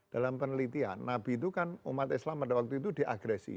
dalam penelitian nabi itu kan umat islam pada waktu itu diagresi